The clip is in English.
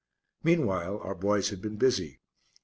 Meanwhile our boys had been busy.